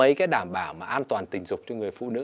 lấy cái đảm bảo mà an toàn tình dục cho người phụ nữ